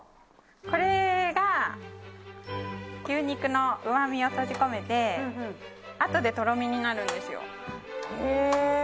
これが牛肉のうまみを閉じ込めてあとでとろみになるんですよ。